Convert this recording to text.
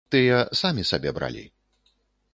Тыя самі сабе бралі.